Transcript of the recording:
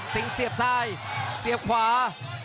สิงค์เสียบซ้ายเสียบขวา